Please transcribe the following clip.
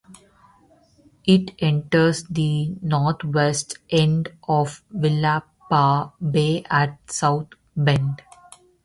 It enters the northwest end of Willapa Bay at South Bend.